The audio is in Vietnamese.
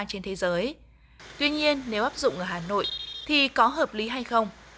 trên thế giới tuy nhiên nếu áp dụng ở hà nội thì có hợp lý hay không